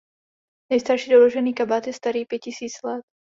Nejstarší doložený kabát je starý pět tisíc let.